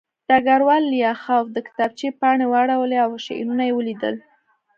ډګروال لیاخوف د کتابچې پاڼې واړولې او شعرونه یې ولیدل